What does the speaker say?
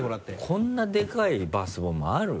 こんなでかいバスボムある？